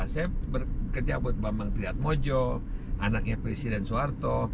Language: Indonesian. saya bekerja buat bambang triad mojo anaknya presiden soeharto